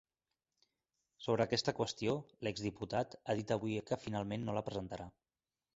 Sobre aquesta qüestió, l’ex-diputat ha dit avui que finalment no la presentarà.